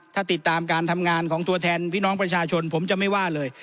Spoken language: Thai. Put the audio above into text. ถ้าติดตามการทำงานของตัวแทนพี่น้องประชาชนผมจะไม่ว่าเลย